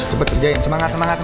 cepet kerjain semangat semangat